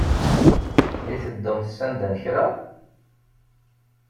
I teddumt sanda n kra?